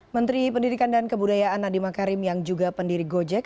menteri pendidikan dan kebudayaan nadiem makarim yang juga pendiri gojek